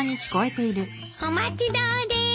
おまちどおです。